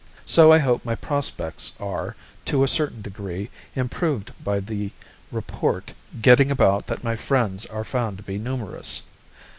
So I hope my prospects are to a certain degree improved by the report getting about that my friends are found to be numerous.